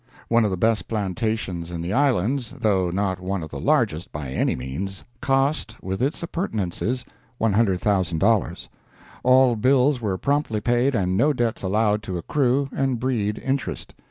One of the best plantations in the Islands, though not one of the largest, by any means, cost, with its appurtenances, $100,000. All bills were promptly paid and no debts allowed to accrue and breed interest.